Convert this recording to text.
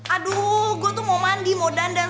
aduh gue tuh mau mandi mau dandan